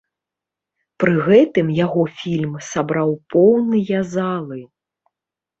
Пры гэтым яго фільм сабраў поўныя залы.